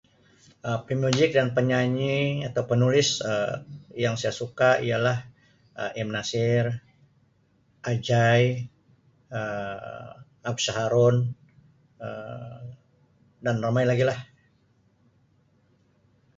Um Pemuzik dan penyanyi atau penulis Um yang saya suka ialah Um M.Nasir, Ajai, Um Absyah Harun, Um dan ramai lagi lah.